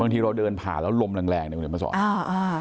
บางทีเราเดินผ่าแล้วลมแรงแรงเนี่ยมันจะมาสอนอ่าอ่า